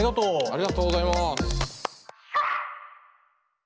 ありがとうございます。